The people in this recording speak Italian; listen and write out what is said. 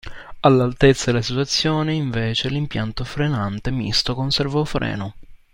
All'altezza della situazione, invece, l'impianto frenante misto con servofreno.